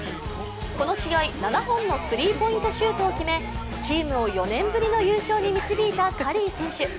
この試合７本のスリーポイントシュートを決め、チームを４年ぶりの優勝に導いたカリー選手。